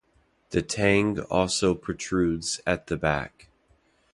The tang also protrudes at the back.